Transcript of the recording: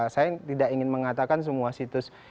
saya tidak ingin mengatakan semua situs islam itu